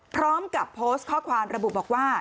พร้อมกับโพสต์ข้อความระบุบอกว่า